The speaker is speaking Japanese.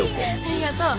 ありがとう。